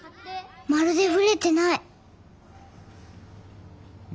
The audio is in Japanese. まるでブレてない。